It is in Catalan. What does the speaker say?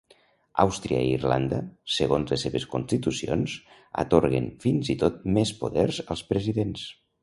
Àustria i Irlanda, segons les seves constitucions, atorguen fins i tot més poders als presidents.